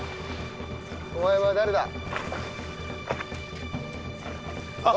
お前は誰だ⁉あっ！